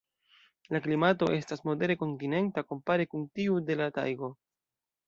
La klimato estas modere kontinenta kompare kun tiu de la tajgo.